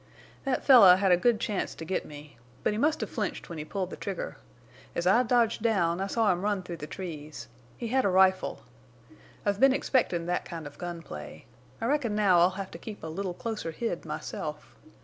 "That fellow had a good chance to get me. But he must have flinched when he pulled the trigger. As I dodged down I saw him run through the trees. He had a rifle. I've been expectin' that kind of gun play. I reckon now I'll have to keep a little closer hid myself.